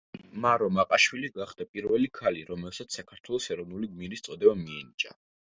მარო მაყაშვილი გახდა პირველი ქალი, რომელსაც საქართველოს ეროვნული გმირის წოდება მიენიჭა.